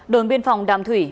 đồn biên phòng đàm thủy